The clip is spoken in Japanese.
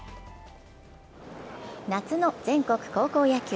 夏の全国高校野球。